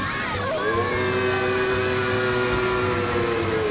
うわ！